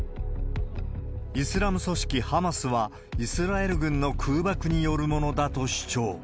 イスラム組織ハマスは、イスラエル軍の空爆によるものだと主張。